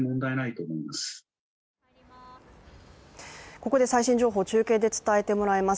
ここで最新情報を中継で伝えてもらいます。